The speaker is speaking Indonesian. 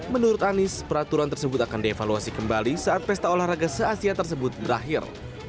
menurut anies peraturan tersebut akan dievaluasi kembali saat pesta olahraga se asia tersebut berakhir